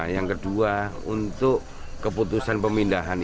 yang kedua untuk keputusan pemindahan